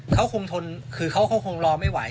เขาคงทนคือเขาคงรอไม่ไหว